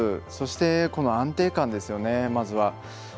そして、安定感ですよね、まずは。